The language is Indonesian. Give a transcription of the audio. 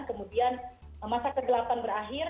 kemudian masa kegelapan berakhir